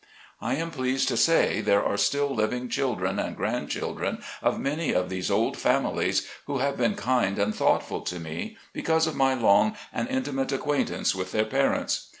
I am pleased to say, there are still living children and grandchildren of many of these old families, who have been kind and thoughtful to me, because of my MY FRIENDS. 35 long and intimate acquaintance with their parents.